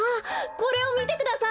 これをみてください！